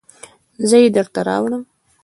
زه یې درته راوړم